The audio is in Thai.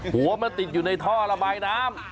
หัวมันติดอยู่ในท่อระบายน้ำ